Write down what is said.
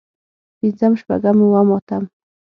پنځم شپږم اووم اتم